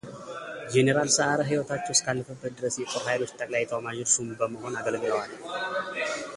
ጄኔራል ሰዓረ ሕይወታቸው እስካለፈበት ድረስ የጦር ኃይሎች ጠቅላይ ኢታማዦር ሹም በመሆን አገልግለዋል።